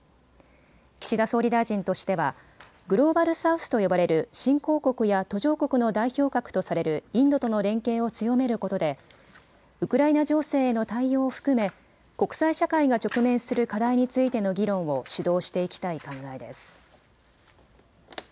岸田総理大臣としてはグローバル・サウスと呼ばれる新興国や途上国の代表格とされるインドとの連携を強めることでウクライナ情勢への対応を含め国際社会が直面する課題についての議論を主導していきたい考えです。